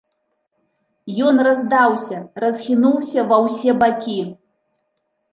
Ён раздаўся, расхінуўся ва ўсе бакі.